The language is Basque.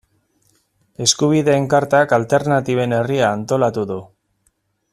Eskubideen Kartak Alternatiben Herria antolatu du.